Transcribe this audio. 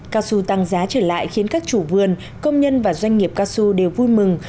cao su tăng giá trở lại khiến các chủ vườn công nhân và doanh nghiệp cao su đều vui mừng